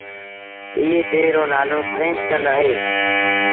ائيٚݩ ٽي رو نآلو پريمچند اهي۔